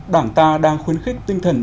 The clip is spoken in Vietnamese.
đảng ta đang khuyến khích tinh thần